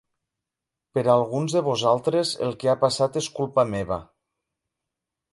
Per a alguns de vosaltres, el que ha passat és culpa meva.